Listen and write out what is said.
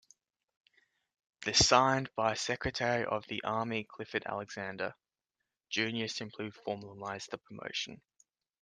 The signed by Secretary of the Army Clifford Alexander, Junior simply formalised the promotion.